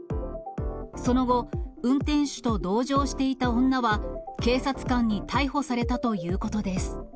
その後、運転手と同乗していた女は、警察官に逮捕されたということです。